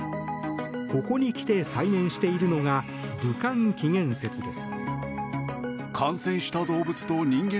ここに来て再燃しているのが武漢起源説です。